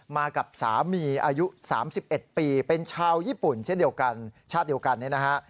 มากับสามีอายุ๓๑ปีเป็นชาวญี่ปุ่นเช่นเดียวกันชาติเดียวกันเนี่ยนะฮะ